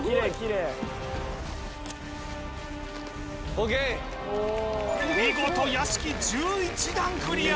オーケー見事屋敷１１段クリア！